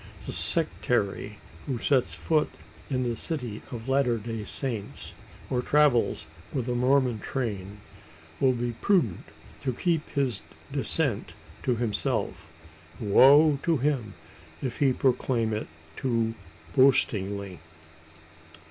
The "Sectary" who sets foot in the city of Latter day Saints, or travels with a Mormon train, will be prudent to keep his dissent to himself. Woe to him if he proclaim it too boastingly!